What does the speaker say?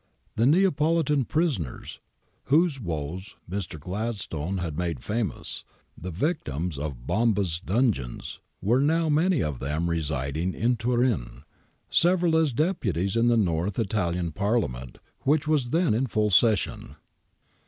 The * Neapolitan prisoners,' ^ whose woes Mr. Gladstone had made famous, the victims of Bombas dungeons, were now many of them residing in Turin, several as Deputies in the North Italian Parliament which was then in full session.